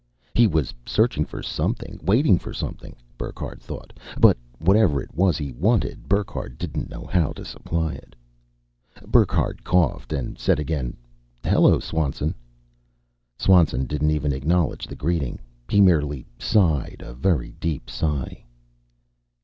He was searching for something, waiting for something, Burckhardt thought. But whatever it was he wanted, Burckhardt didn't know how to supply it. Burckhardt coughed and said again, "Hello, Swanson." Swanson didn't even acknowledge the greeting. He merely sighed a very deep sigh.